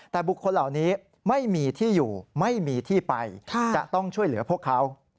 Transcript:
แต่บุคคลเหล่านี้ไม่มีที่อยู่ไม่มีที่ไปจะต้องช่วยเหลือพวกเขา